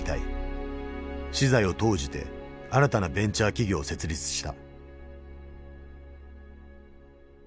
私財を投じて新たなベンチャー企業を設立した。